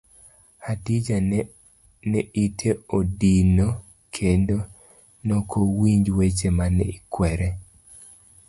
Hadija ne ite odino kendo nokowinj weche mane ikwere.